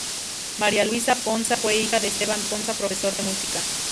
Maria Lluïsa Ponsa fue hija de Esteban Ponsa, profesor de música.